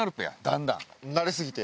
慣れすぎて？